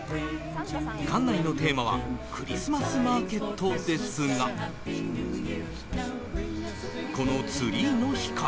館内のテーマはクリスマスマーケットですがこのツリーの光。